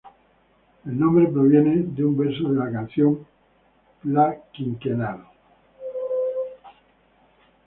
El nombre proviene de un verso de la canción "Pla quinquenal".